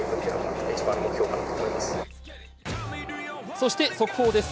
そして速報です。